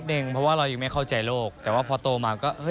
แต่ตอนเป็นเด็กก็อาจจะแบบ